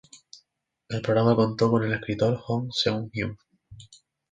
El programa contó con el escritor Hong Seung-Hyun.